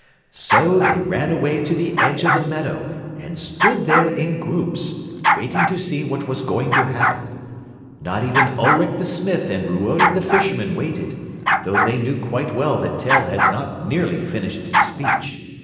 So they ran away to the edge of the meadow, and stood there in groups, waiting to see what was going to happen. Not even Ulric the smith and Ruodi the fisherman waited, though they knew quite well that Tell had not nearly finished his speech.